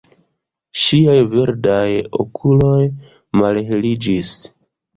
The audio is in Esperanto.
Ŝiaj verdaj okuloj malheliĝis.